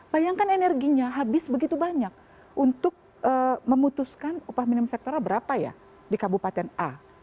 bayangkan energinya habis begitu banyak untuk memutuskan upah minimum sektoral berapa ya di kabupaten a